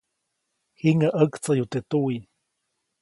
Jiŋäʼ ʼaktsayu teʼ tuwiʼ.